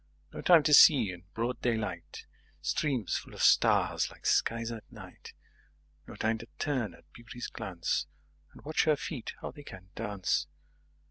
7No time to see, in broad daylight,8Streams full of stars like skies at night.9No time to turn at Beauty's glance,10And watch her feet, how they can dance.